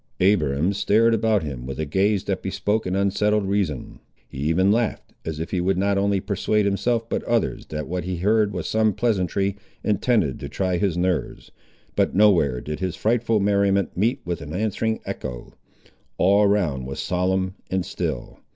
Abiram stared about him with a gaze that bespoke an unsettled reason. He even laughed, as if he would not only persuade himself but others that what he heard was some pleasantry, intended to try his nerves. But nowhere did his frightful merriment meet with an answering echo. All around was solemn and still.